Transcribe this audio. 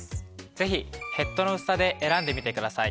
ぜひヘッドの薄さで選んでみてください。